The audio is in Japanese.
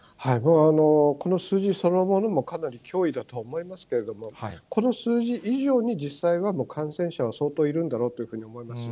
この数字、そのものもかなり脅威だと思いますけれども、この数字以上に、実際はもう感染者は相当いるんだろうというふうに思います。